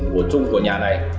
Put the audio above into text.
của chung của nhà này